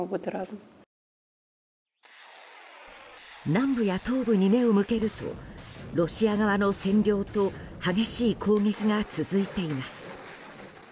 南部や東部に目を向けるとロシア側の占領と激しい攻撃が続いています。